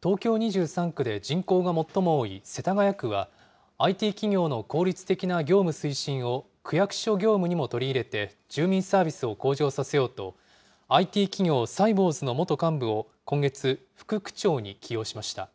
東京２３区で人口が最も多い世田谷区は、ＩＴ企業の効率的な業務推進を区役所業務にも取り入れて、住民サービスを向上させようと、ＩＴ企業、サイボウズの元幹部を今月、副区長に起用しました。